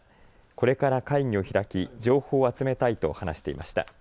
これから会議を開き情報を集めたいと話していました。